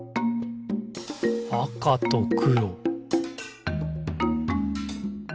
「あかとくろ」